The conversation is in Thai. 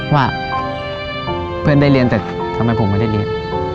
ว่าเพื่อนได้เรียนแต่ทำไมผมไม่ได้เรียน